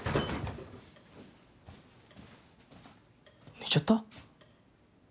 寝ちゃった？